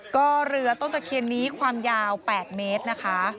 ก็เรือต้นตะเคียนนี้ความยาว๘เมตรนะคะ